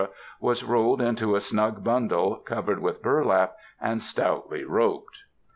was rolled into a snug bundle, covered with burlap and stoutly roped.